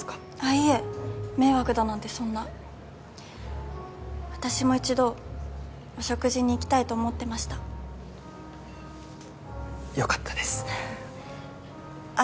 いえ迷惑だなんてそんな私も一度お食事に行きたいと思ってましたよかったですあっ